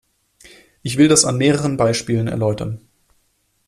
Ich will das an mehreren Beispielen erläutern.